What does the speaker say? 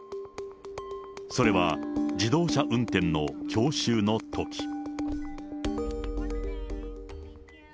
それは、自動車運転の教習のとき。